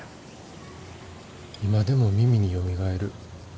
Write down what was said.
今でも耳によみがえる。